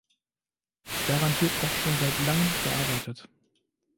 Daran wird auch schon seit langem gearbeitet.